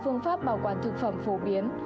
phương pháp bảo quản thực phẩm phổ biến